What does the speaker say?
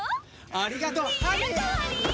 ありがとうハニー！